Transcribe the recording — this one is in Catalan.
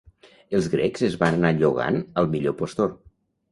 Els grecs es van anar llogant al millor postor.